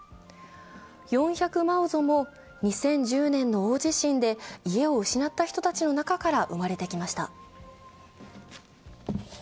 ４００マオゾも２０１０年の大地震で家を失った人たちの中から生まれてきました。